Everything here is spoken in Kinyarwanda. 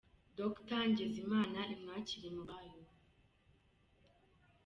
Dr. Ngeze Imana imwakire mu bayo.